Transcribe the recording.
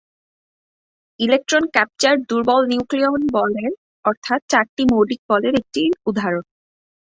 Electron capture দুর্বল নিউক্লিয় বলের অর্থাৎ চারটি মৌলিক বলের একটির উদাহরণ।